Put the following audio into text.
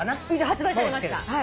発売されました。